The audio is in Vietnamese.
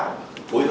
cho người dùng